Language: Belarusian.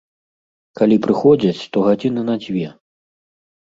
Калі прыходзяць, то гадзіны на дзве.